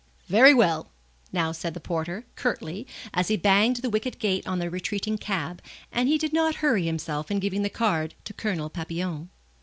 "Very well!" now said the porter, curtly, as he banged the wicket gate on the retreating cab, and he did not hurry himself in giving the card to Colonel Papillon.